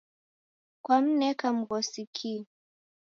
Kwamneka mghosi kihi?